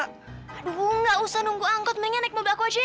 aduh nggak usah nunggu angkot mendingan naik mobil aku aja ya